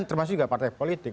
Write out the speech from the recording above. termasuk juga partai politik